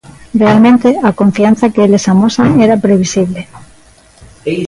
Realmente, a confianza que eles amosan era previsible.